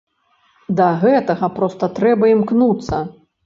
Да гэтага проста трэба імкнуцца!